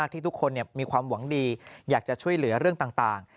ที่ทุกคนมีความหวังดีอยากจะช่วยเหลือเรื่องต่าง